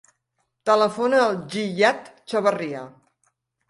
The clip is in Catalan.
Telefona al Ziyad Chavarria.